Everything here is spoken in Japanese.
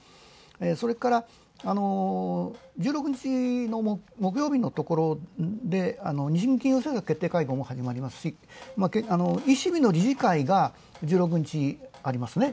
それから１６日の木曜日のところで、日銀金融政策決定会合も始まりますし、ＥＣＢの理事会が１６日ありますね。